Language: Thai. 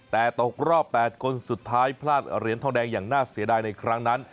แต่ตกรอบ๘คนสุดท้ายพลาดเหรียญทองแดงอย่างน่าเสียดายในครั้งนั้น